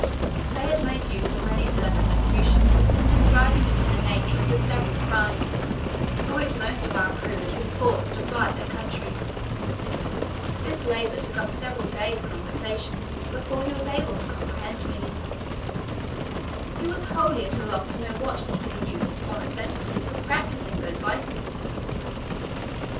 I had made use of many circumlocutions in describing to him the nature of the several crimes for which most of our crew had been forced to fly their country. This labour took up several days' conversation, before he was able to comprehend me. He was wholly at a loss to know what could be the use or necessity of practising those vices.